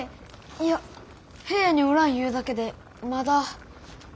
いや部屋におらんゆうだけでまだ。